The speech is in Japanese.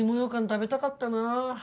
食べたかったなぁ。